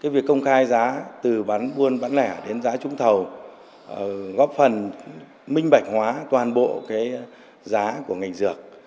việc công khai giá từ bán buôn bán lẻ đến giá trúng thầu góp phần minh bạch hóa toàn bộ giá của ngành dược